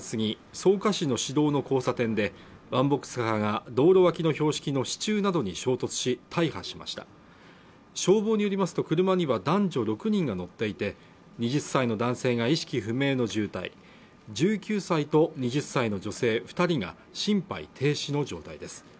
草加市の市道の交差点でワンボックスカーが道路脇の標識の支柱などに衝突し大破しました消防によりますと車には男女６人が乗っていて２０歳の男性が意識不明の重体１９歳と２０歳の女性二人が心肺停止の状態です